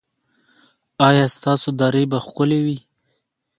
ایا ستاسو درې به ښکلې وي؟